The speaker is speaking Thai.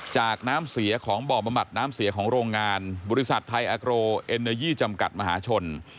น้ำเสียของบ่อบำบัดน้ำเสียของโรงงานบริษัทไทยอาโรเอ็นเนยีจำกัดมหาชน